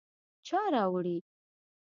_چا راوړې ؟